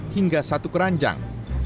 hingga satu keranjang